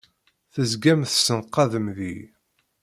Tezgam tessenqadem deg-i!